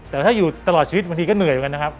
แต่ถ้าอยู่ตลอดชีวิตบางทีก็เหนื่อยเหมือนกันนะครับ